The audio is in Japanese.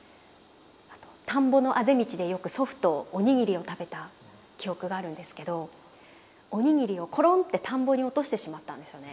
田んぼのあぜ道でよく祖父とおにぎりを食べた記憶があるんですけどおにぎりをコロンって田んぼに落としてしまったんですよね。